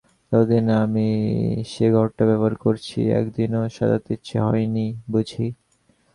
যতদিন আমি সে ঘরটা ব্যবহার করছি, একদিনও সাজাতে ইচ্ছে হয় নি বুঝি?